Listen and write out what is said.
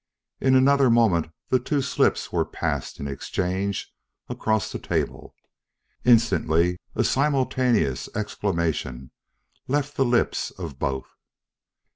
In another moment the two slips were passed in exchange across the table. Instantly, a simultaneous exclamation left the lips of both.